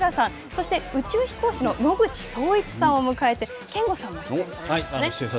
そして宇宙飛行士の野口聡一さんを迎えて憲剛さんも出演されるんですね。